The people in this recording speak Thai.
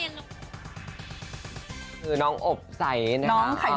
หนูก็เคยโกรธเคยเสียน้ำตาให้มันเยอะมาก